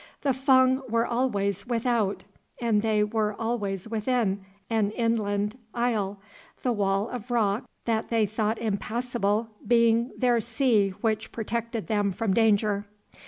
The Fung were always without, and they were always within, an inland isle, the wall of rock that they thought impassable being their sea which protected them from danger.